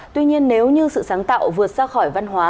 tuy nhiên nếu như sự sáng tạo vượt ra khỏi văn hóa